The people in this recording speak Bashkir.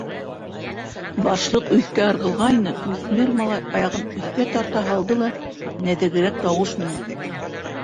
Башлыҡ өҫкә ырғылғайны, үҫмер малай аяғын өҫкә тарта һалды ла нәҙегерәк тауыш менән: